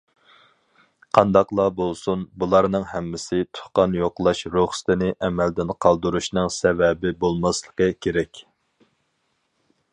قانداقلا بولسۇن، بۇلارنىڭ ھەممىسى تۇغقان يوقلاش رۇخسىتىنى ئەمەلدىن قالدۇرۇشنىڭ سەۋەبى بولماسلىقى كېرەك.